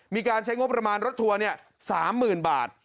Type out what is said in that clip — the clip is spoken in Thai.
มีการใช้งบประมาณรถทัวร์๓๐๐๐บาท